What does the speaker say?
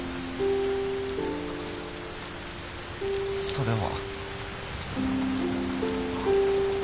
それは。